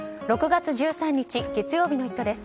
６月１３日、月曜日の「イット！」です。